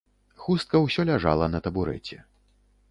Хустка ўсё ляжала на табурэце.